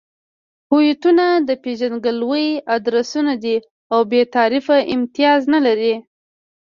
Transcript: هویتونه د پېژندګلوۍ ادرسونه دي او بې تعارفه امتیاز نلري.